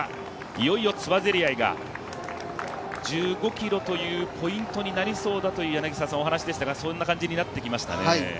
いよいよつばぜり合いが１５ｋｍというポイントになりそうだというお話でしたがそんな感じになってきましたね。